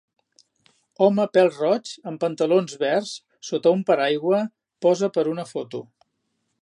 Home pèl-roig amb pantalons verds sota un paraigua posa per una foto.